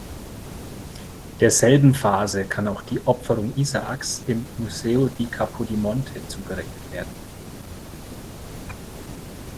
Der selben Phase kann auch die "Opferung Isaaks" im Museo di Capodimonte zugerechnet werden.